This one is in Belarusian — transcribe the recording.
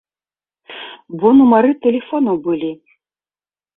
Бо нумары тэлефонаў былі.